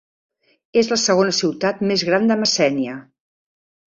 És la segona ciutat més gran de Messènia.